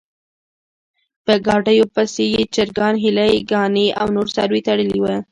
په ګاډیو پسې یې چرګان، هیلۍ ګانې او نور څاروي تړلي و.